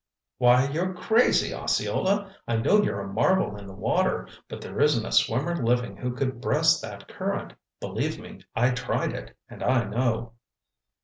"Why, you're crazy, Osceola! I know you're a marvel in the water, but there isn't a swimmer living who could breast that current. Believe me, I tried it, and I know."